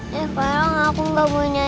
sekarang aku gak punya